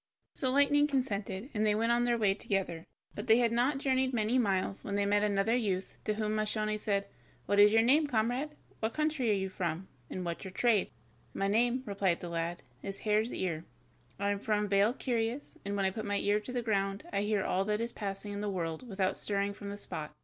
So Lightning consented, and they went on their way together, but they had not journeyed many miles when they met another youth, to whom Moscione said: "What is your name, comrade, what country are you from, and what's your trade?" "My name," replied the lad, "is Hare's ear, I am from Vale Curious, and when I put my ear to the ground I hear all that is passing in the world without stirring from the spot.